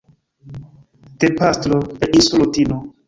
de pastro, el insulo Tino.